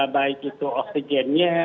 baik itu oksigennya